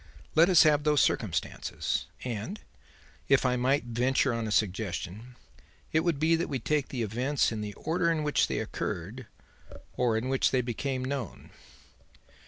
Let us have those circumstances. And, if I might venture on a suggestion, it would be that we take the events in the order in which they occurred or in which they became known."